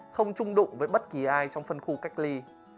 một mươi không trung đụng với bất kỳ ai trong phân khu cách ly